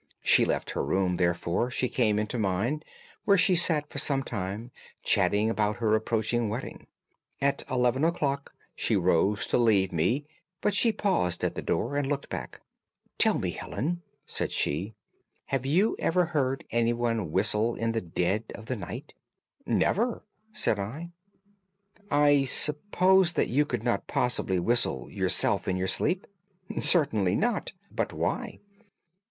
She left her room, therefore, and came into mine, where she sat for some time, chatting about her approaching wedding. At eleven o'clock she rose to leave me, but she paused at the door and looked back. "'Tell me, Helen,' said she, 'have you ever heard anyone whistle in the dead of the night?' "'Never,' said I. "'I suppose that you could not possibly whistle, yourself, in your sleep?' "'Certainly not. But why?